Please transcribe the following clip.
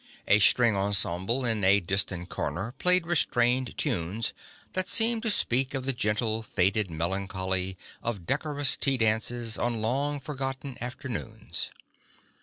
A string ensemble in a distant corner played restrained tunes that seemed to speak of the gentle faded melancholy of decorous tea dances on long forgotten afternoons.